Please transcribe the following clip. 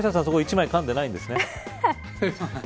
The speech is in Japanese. そこ１枚かんでないんですね。